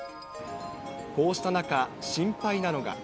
こうした中、心配なのが。